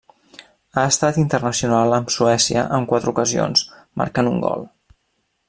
Ha estat internacional amb Suècia en quatre ocasions, marcant un gol.